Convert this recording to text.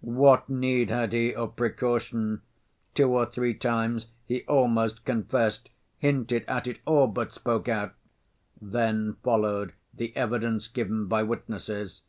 "What need had he of precaution? Two or three times he almost confessed, hinted at it, all but spoke out." (Then followed the evidence given by witnesses.)